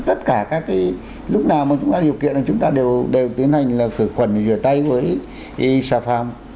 tất cả các cái lúc nào mà chúng ta điều kiện là chúng ta đều tiến hành là khử khuẩn và rửa tay với xa phạm